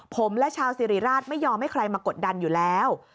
ผมและชาวสิริราชไม่ยอมให้ใครมากดดันอยู่แล้ว